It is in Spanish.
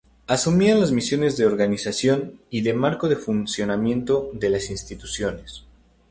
Asumían las misiones de organización y de marco de funcionamiento de las instituciones.